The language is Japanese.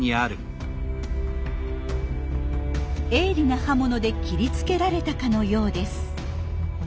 鋭利な刃物で切りつけられたかのようです。